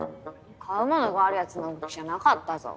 買うものがあるやつの動きじゃなかったぞ。